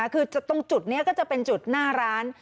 คือตรงจุดนี้ก็จะเป็นจุดหน้าร้าน